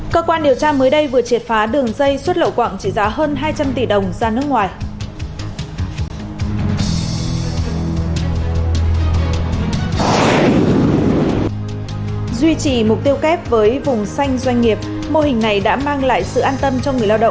các bạn hãy đăng ký kênh để ủng hộ kênh của chúng mình nhé